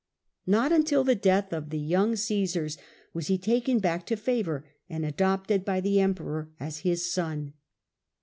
Not until the death of the young by Augustus. Caesars was he taken back to favour and adopted by the Emperor as his son.